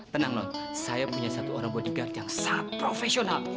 tenang non saya punya satu orang bodyguard yang sangat profesional